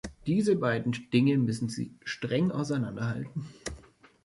Diese beiden Dinge müssen Sie streng auseinanderhalten.